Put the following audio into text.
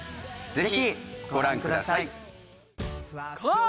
ぜひご覧ください。